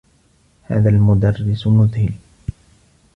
هذا المدرّس مذهل.